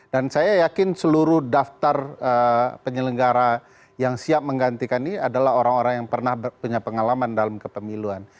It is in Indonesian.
dan saya yakin seluruh daftar penyelenggara yang siap menggantikan ini adalah orang orang yang pernah punya pengalaman dalam kepemiluan